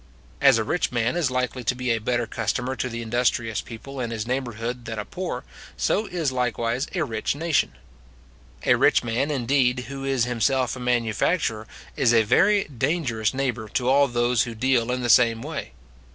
As a rich man is likely to be a better customer to the industrious people in his neighbourhood, than a poor, so is likewise a rich nation. A rich man, indeed, who is himself a manufacturer, is a very dangerous neighbour to all those who deal in the same way.